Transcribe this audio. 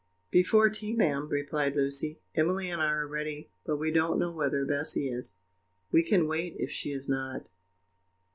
"Before tea, ma'am," replied Lucy; "Emily and I are ready, but we don't know whether Bessy is we can wait if she is not."